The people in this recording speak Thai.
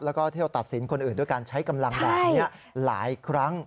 แล้วก็เที่ยวตัดสินคนอื่นด้วยการใช้กำลังแบบนี้หลายครั้ง